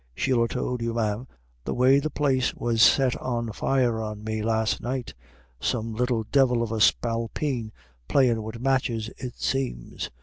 She'll ha' tould you, ma'am, the way the place was set on fire on me last night some little divil of a spalpeen playin' wid matches it seems.